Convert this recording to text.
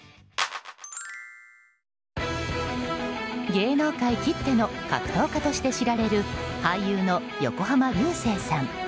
芸能界きっての格闘家として知られる俳優の横浜流星さん。